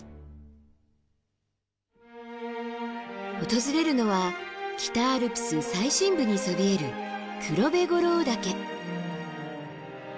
訪れるのは北アルプス最深部にそびえる黒部五郎岳。